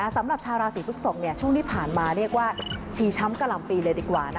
สำหรับชาวราศีพฤกษกช่วงที่ผ่านมาเรียกว่าชีช้ำกะหล่ำปีเลยดีกว่า